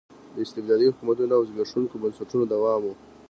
د استبدادي حکومتونو او زبېښونکو بنسټونو دوام و.